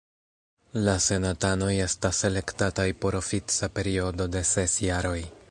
La senatanoj estas elektataj por ofica periodo de ses jaroj.